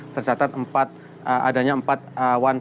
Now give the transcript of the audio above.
tersatat empat adanya empat awan panasnya